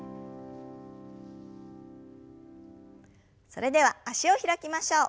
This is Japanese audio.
それでは脚を開きましょう。